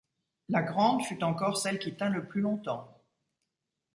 La Grande fut encore celle qui tint le plus longtemps.